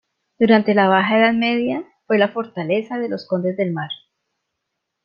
Durante la Baja Edad Media fue la fortaleza de los condes de Mar.